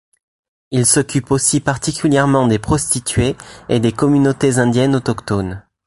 Il s'occupe aussi particulièrement des prostituées et des communautés indiennes autochtones.